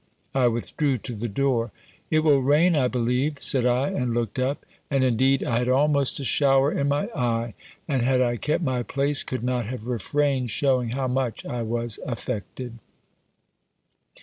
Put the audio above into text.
I withdrew to the door: "It will rain, I believe," said I, and looked up. And, indeed, I had almost a shower in my eye: and had I kept my place, could not have refrained shewing how much I was affected.